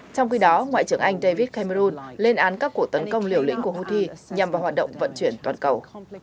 trong khi đó ngoại trưởng anh david cameron lên án các cuộc tấn công liều lĩnh của hưu thi nhằm vào hoạt động vận chuyển toàn cầu